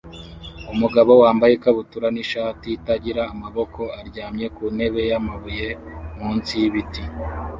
Umugabo wambaye ikabutura n'ishati itagira amaboko aryamye ku ntebe y'amabuye munsi y'ibiti